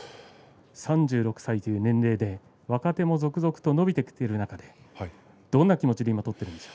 ３６歳という年齢で若手も続々と伸びてきている中でどんな気持ちで取っているんですか。